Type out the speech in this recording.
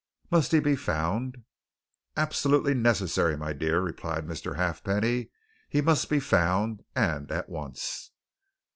"Must he be found?" "Absolutely necessary, my dear," replied Mr. Halfpenny. "He must be found, and at once."